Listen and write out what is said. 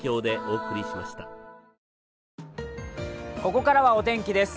ここからはお天気です。